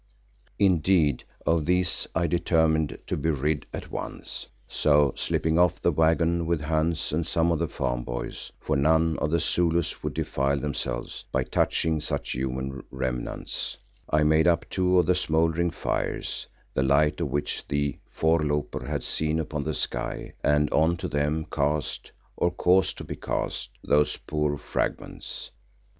Indeed, of these I determined to be rid at once, so slipping off the waggon with Hans and some of the farm boys, for none of the Zulus would defile themselves by touching such human remnants—I made up two of the smouldering fires, the light of which the voorlooper had seen upon the sky, and on to them cast, or caused to be cast, those poor fragments.